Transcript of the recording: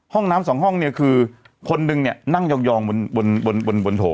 ห้องน้ำสองห้องคือคนนึงนั่งยองบนโถ